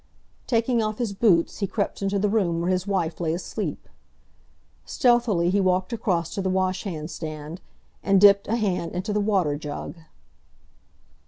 Taking off his boots, he crept into the room where his wife lay asleep. Stealthily he walked across to the wash hand stand, and dipped a hand into the water jug.